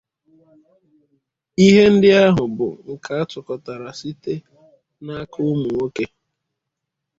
Ihe ndị ahụ bụ nke a tụkọtara site n'aka ụmụnwoke